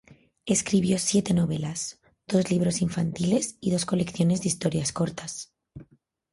Escribió siete novelas, dos libros infantiles y dos colecciones de historias cortas.